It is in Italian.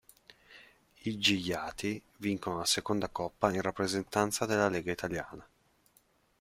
I Gigliati vincono la seconda Coppa in rappresentanza della lega italiana.